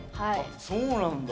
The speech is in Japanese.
そうなんだ。